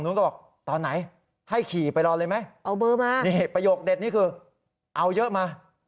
คือคงรีบพิมพ์มาค่ะ